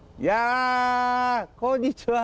こんにちは。